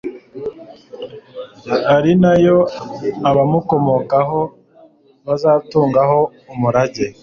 ari na yo abamukomokaho bazatungaho umurage